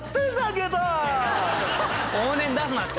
往年出すなって。